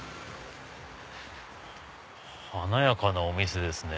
華やかなお店ですね。